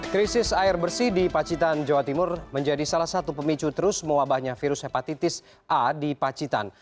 krisis air bersih di pacitan jawa timur menjadi salah satu pemicu terus mewabahnya virus hepatitis a di pacitan